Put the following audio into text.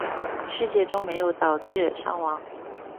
事件中没有导致伤亡。